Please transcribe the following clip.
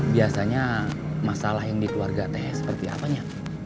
biasanya masalah yang di keluarga ts seperti apanya